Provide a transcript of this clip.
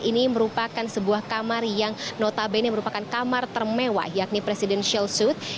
ini merupakan sebuah kamar yang notabene merupakan kamar termewah yakni presidential suite